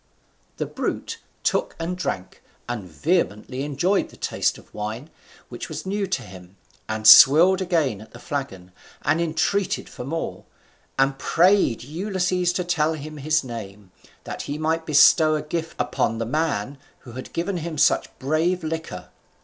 The brute took and drank, and vehemently enjoyed the taste of wine, which was new to him, and swilled again at the flagon, and entreated for more, and prayed Ulysses to tell him his name, that he might bestow a gift upon the man who had given him such brave liquor.